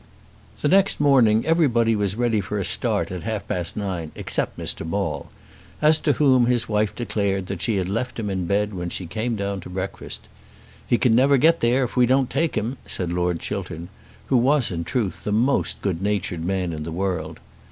The next morning everybody was ready for a start at half past nine, except Mr. Maule, as to whom his wife declared that she had left him in bed when she came down to breakfast. "He can never get there if we don't take him," said Lord Chiltern, who was in truth the most good natured man in the world.